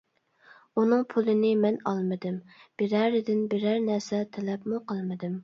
ئۇنىڭ پۇلىنى مەن ئالمىدىم، بىرەرىدىن بىرەر نەرسە تەلەپمۇ قىلمىدىم.